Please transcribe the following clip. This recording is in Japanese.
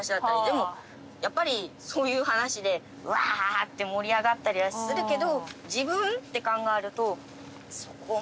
でもやっぱりそういう話でわーって盛り上がったりはするけど。